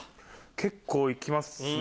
結構行きますね。